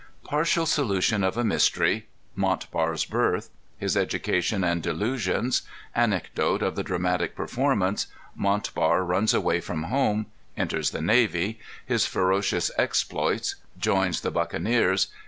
_ Partial Solution of a Mystery. Montbar's Birth. His Education and Delusions. Anecdote of the Dramatic Performance. Montbar Runs Away from Home. Enters the Navy. His Ferocious Exploits. Joins the Buccaneers.